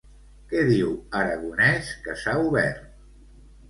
Què diu Aragonès que s'ha obert?